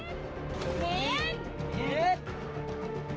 มีฟรี